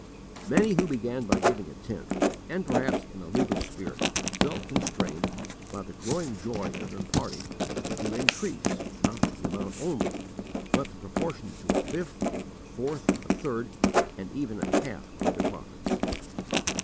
Many who began by giving a tenth, and perhaps in a legal spirit, felt constrained, by the growing joy of imparting, to increase, not the amount only, but the proportion, to a fifth, a fourth, a third, and even a half of their profits.